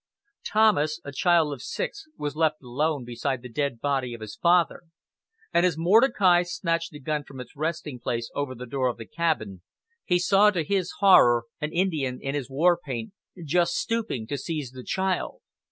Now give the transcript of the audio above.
Thomas, a child of six years, was left alone beside the dead body of his father; and as Mordecai snatched the gun from its resting place over the door of the cabin, he saw, to his horror, an Indian in his war paint, just stooping to seize the child.